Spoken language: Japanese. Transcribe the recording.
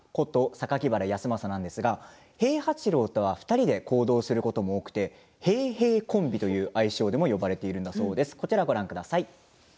榊原康政平八郎とは２人で行動することも多くて平平コンビという愛称でも呼ばれているんだそうです。